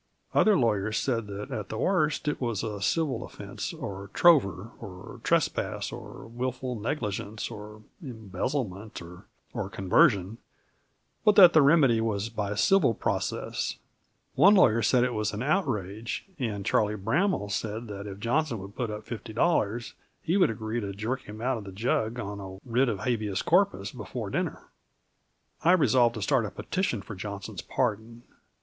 Other lawyers said that at the worst it was a civil offense, or trover, or trespass, or wilful negligence, or embezzlement, or conversion, but that the remedy was by civil process. One lawyer said it was an outrage, and Charlie Bramel said that if Johnson would put up $50 he would agree to jerk him out of the jug on a writ of habeas corpus before dinner. Seeing how the sentiment ran, I resolved to start a petition for Johnson's pardon.